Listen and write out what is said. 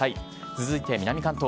続いて南関東。